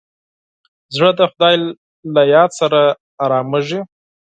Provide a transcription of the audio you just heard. زړه د خدای له یاد سره ارامېږي.